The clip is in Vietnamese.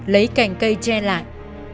lấy cành cây che lại